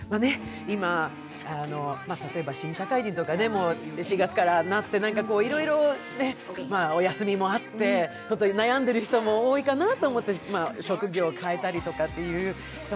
今、例えば新社会人とか４月からなってお休みもあっていろいろ悩んでいる人も多いかなと思って、職業変えたりとかっていう人。